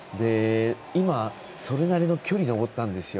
今、それなりの距離を登ったんですよ。